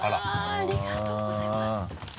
ありがとうございます。